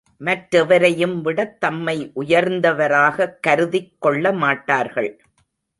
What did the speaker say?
மற்றெவரையும் விடத் தம்மை உயர்ந்தவராகக் கருதிக் கொள்ளமாட்டார்கள்.